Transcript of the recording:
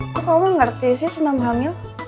kok kamu ngerti sih senam hamil